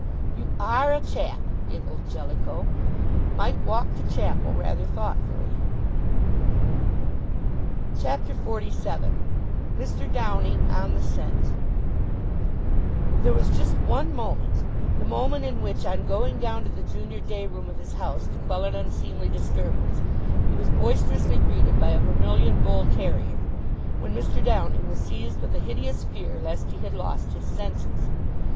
"You are a chap!" giggled Jellicoe. Mike walked to chapel rather thoughtfully. CHAPTER XLVII MR. DOWNING ON THE SCENT There was just one moment, the moment in which, on going down to the junior day room of his house to quell an unseemly disturbance, he was boisterously greeted by a vermilion bull terrier, when Mr. Downing was seized with a hideous fear lest he had lost his senses.